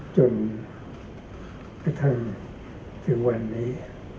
จนกระทั่งถึงวันนี้